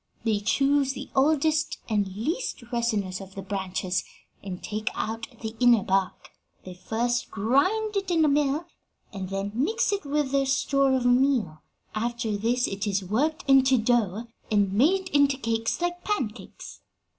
They choose the oldest and least resinous of the branches and take out the inner bark. They first grind it in a mill, and then mix it with their store of meal; after this it is worked into dough and made into cakes like pancakes.